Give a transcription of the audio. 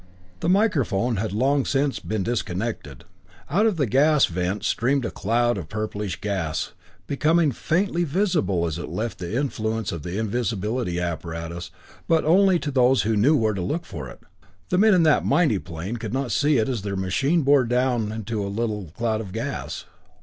The microphone had long since been disconnected. Out of the gas vent streamed a cloud of purplish gas, becoming faintly visible as it left the influence of the invisibility apparatus, but only to those who knew where to look for it. The men in that mighty plane could not see it as their machine bore down into the little cloud of gas.